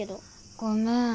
ごめん。